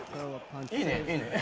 いいねいいね